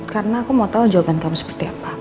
karena aku mau tau jawaban kamu seperti apa